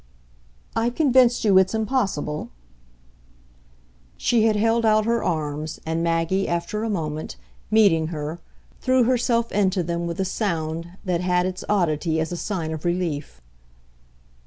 "I've convinced you it's impossible?" She had held out her arms, and Maggie, after a moment, meeting her, threw herself into them with a sound that had its oddity as a sign of relief.